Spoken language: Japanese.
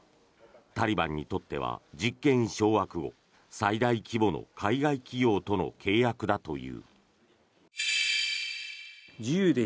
タリバンにとっては実権掌握後、最大規模の海外企業との契約だという。